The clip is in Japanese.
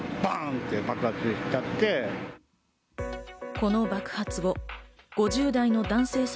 この爆発後、５０代の男性作